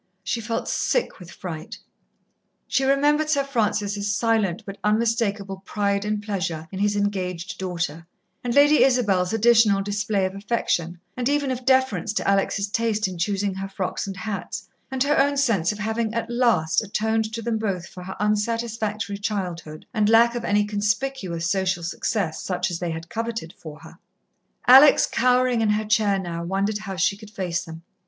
She felt sick with fright. She remembered Sir Francis's silent but unmistakable pride and pleasure in his engaged daughter, and Lady Isabel's additional display of affection, and even of deference to Alex' taste in choosing her frocks and hats, and her own sense of having at last atoned to them both for her unsatisfactory childhood and lack of any conspicuous social success, such as they had coveted for her. Alex, cowering in her chair now, wondered how she could face them.